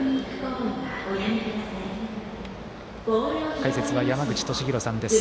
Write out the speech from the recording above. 解説は山口敏弘さんです。